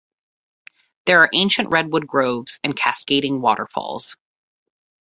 There are ancient redwood groves and cascading waterfalls.